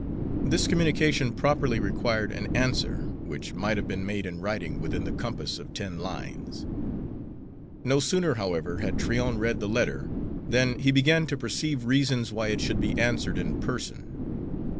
This communication properly required an answer, which might have been made in writing within the compass of ten lines. No sooner, however, had Tryon read the letter than he began to perceive reasons why it should be answered in person.